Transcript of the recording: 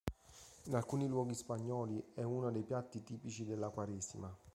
In alcuni luoghi spagnoli è uno dei piatti tipici della quaresima.